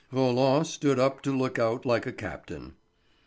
Roland stood up to look out like a captain.